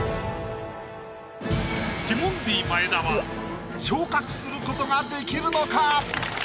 ティモンディ前田は昇格することができるのか？